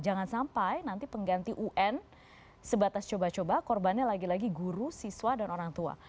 jangan sampai nanti pengganti un sebatas coba coba korbannya lagi lagi guru siswa dan orang tua